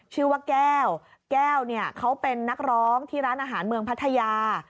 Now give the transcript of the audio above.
ชื่อว่าแก้วแก้วเนี่ยเขาเป็นนักร้องที่ร้านอาหารเมืองพัทยา